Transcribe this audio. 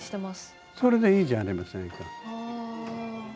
それでいいじゃありませんか。